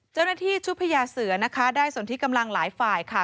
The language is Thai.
เจ้าหน้าที่ชุดพญาเสือนะคะได้ส่วนที่กำลังหลายฝ่ายค่ะ